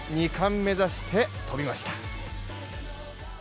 ２冠目指して、飛びました。